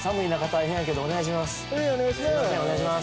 はいお願いします